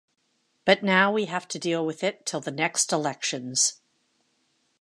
But now we have to deal with it till the next elections.